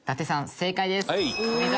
正解です。